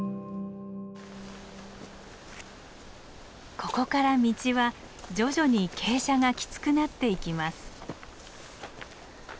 ここから道は徐々に傾斜がきつくなっていきます。